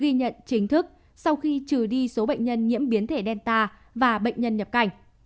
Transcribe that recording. số liệu được ghi nhận chính thức sau khi trừ đi số bệnh nhân nhiễm biến thể delta và bệnh nhân nhập cảnh